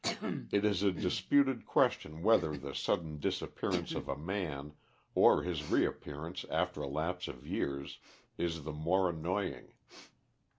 It is a disputed question whether the sudden disappearance of a man, or his reappearance after a lapse of years, is the more annoying.